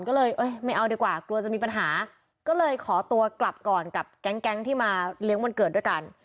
ก็เลยไม่เอาดีกว่ากลัวจะมีปัญหาก็เลยขอตัวกลับก่อนกับแก๊งที่มาเลี้ยงวันเกิดด้วยกัน